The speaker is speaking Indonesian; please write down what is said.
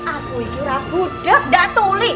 aku itu rabu dek datuli